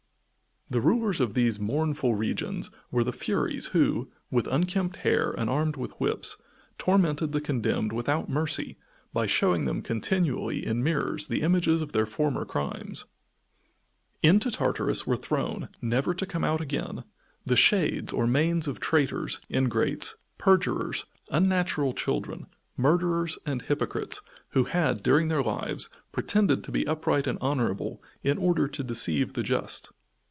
The rulers of these mournful regions were the Furies who, with unkempt hair and armed with whips, tormented the condemned without mercy by showing them continually in mirrors the images of their former crimes. Into Tartarus were thrown, never to come out again, the shades or manes of traitors, ingrates, perjurers, unnatural children, murderers and hypocrites who had during their lives pretended to be upright and honorable in order to deceive the just.